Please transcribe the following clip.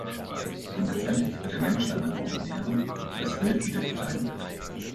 Und letztendlich wird der Mensch deinen Boden nähren, wo das Wild wieder gedeihen wird.